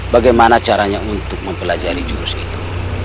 bagaimana caranya untuk mempelajari jurus itu